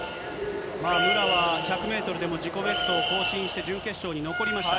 武良は１００メートルでも、自己ベストを更新して、準決勝に残りました。